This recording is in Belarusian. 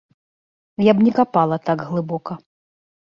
Я б не капала так глыбока.